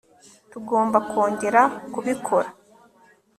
tugomba kongera kubikora